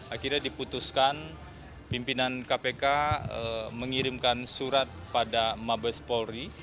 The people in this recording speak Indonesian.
akhirnya diputuskan pimpinan kpk mengirimkan surat pada mabes polri